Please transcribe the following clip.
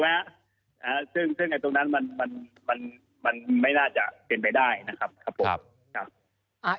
ภาพเรื่องในตรงนั้นมันไม่น่าจะเป็นไปได้นะครับ